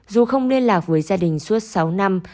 dù không liên lạc với gia đình suốt sáu năm